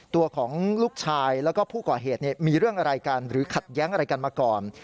ตัวของลูกชายแล้วก็ผู้ก่อเหตุมีเรื่องอะไรกันหรือขัดแย้งอะไรกันมาก่อน